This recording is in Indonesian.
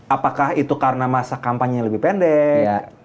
apakah itu karena masa kampanye yang lebih pendek